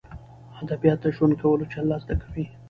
ادبیات د ژوند کولو چل را زده کوي.